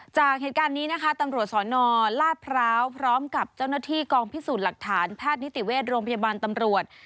จากเหตุการณ์นี้นะคะตำรวจสนลาดพร้าวพร้อมกับเจ้าหน้าที่กองพิสูจน์หลักฐานแพทย์นิติเวชโรงพยาบาลตำรวจ